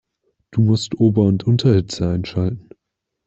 Du musst Ober- und Unterhitze einschalten.